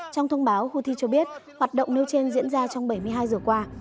trong thông báo houthi cho biết hoạt động nêu trên diễn ra trong bảy mươi hai giờ qua